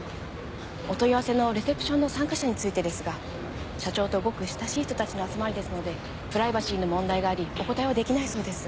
お問い合わせのレセプションの参加者についてですが社長とごく親しい人たちの集まりですのでプライバシーの問題がありお答えは出来ないそうです。